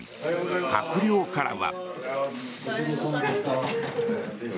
閣僚からは。